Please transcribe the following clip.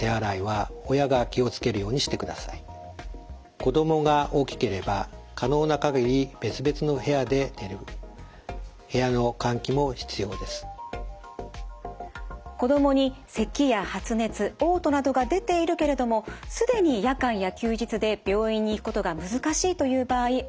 子どもにせきや発熱おう吐などが出ているけれども既に夜間や休日で病院に行くことが難しいという場合あると思います。